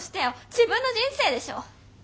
自分の人生でしょう？